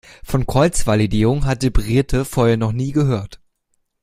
Von Kreuzvalidierung hatte Brigitte vorher noch nie gehört.